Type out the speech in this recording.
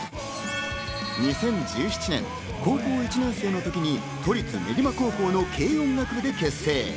２０１７年、高校１年生の時に都立練馬高校の軽音楽部で形成。